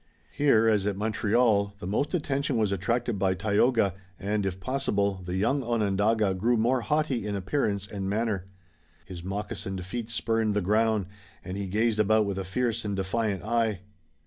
Here, as at Montreal, the most attention was attracted by Tayoga, and, if possible, the young Onondaga grew more haughty in appearance and manner. His moccasined feet spurned the ground, and he gazed about with a fierce and defiant eye.